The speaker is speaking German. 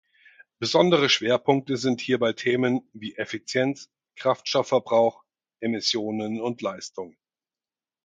Besondere Schwerpunkte sind hierbei Themen wie Effizienz, Kraftstoffverbrauch, Emissionen und Leistung.